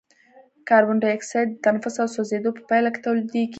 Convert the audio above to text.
کاربن ډای اکساید د تنفس او سوځیدو په پایله کې تولیدیږي.